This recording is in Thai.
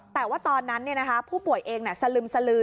แต่ว่าตอนนั้นผู้ป่วยเองสลึมสลือ